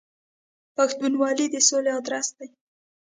پښتونولي د سولې درس دی.